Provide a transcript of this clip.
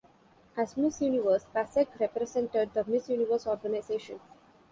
As Miss Universe, Pasek represented the Miss Universe Organization.